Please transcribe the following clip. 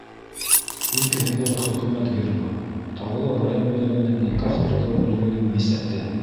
Икеһендә лә хөкүмәт гербы, Таулы район үҙәгенең никах теркәү бүлегенең мисәте.